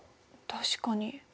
確かに。